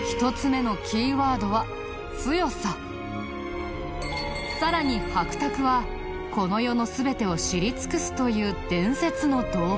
１つ目のさらに白澤はこの世の全てを知り尽くすという伝説の動物。